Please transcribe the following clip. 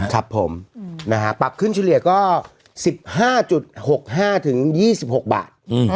ครับผมปรับขึ้นเฉลี่ยก็๑๕๖๕๒๖บาท